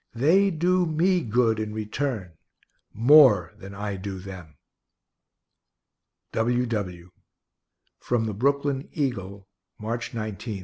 They do me good in return, more than I do them. W. W. From the Brooklyn Eagle, March 19, 1863.